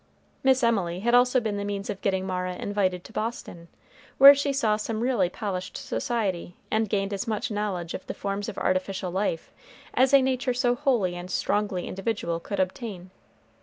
Miss Emily also had been the means of getting Mara invited to Boston, where she saw some really polished society, and gained as much knowledge of the forms of artificial life as a nature so wholly and strongly individual could obtain.